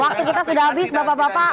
waktu kita sudah habis bapak bapak